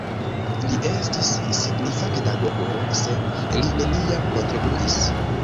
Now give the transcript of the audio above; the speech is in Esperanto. Li estis signifa pedagogo, sed li neniam kontribuis.